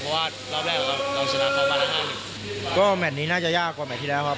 เพราะว่ารอบแรกครับเราชนะเขามาละห้าหนึ่งก็แมทนี้น่าจะยากกว่าแมทที่แล้วครับ